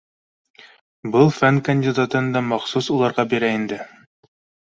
— Был фән кандидатын да махсус уларға бирә инде